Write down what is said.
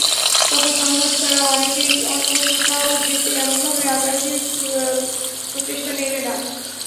তখন সম্ভবত তারা অনেকেই অন্য কোথাও যেতে এমনভাবে আগ্রাসী প্রচেষ্টা নেবে না।